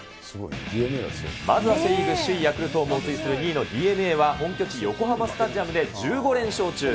まずはセ・リーグ、首位ヤクルトを猛追する２位のＤｅＮＡは本拠地横浜スタジアムで１５連勝中。